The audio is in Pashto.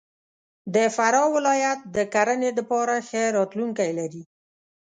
د فراه ولایت د کرهنې دپاره ښه راتلونکی لري.